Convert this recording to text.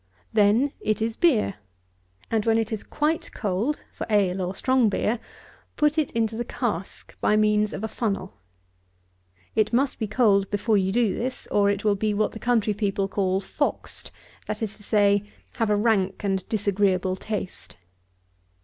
Then it is beer; and when it is quite cold (for ale or strong beer) put it into the cask by means of a funnel. It must be cold before you do this, or it will be what the country people call foxed; that is to say, have a rank and disagreeable taste.